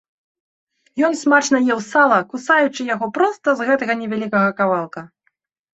Ён смачна еў сала, кусаючы яго проста з гэтага невялікага кавалка.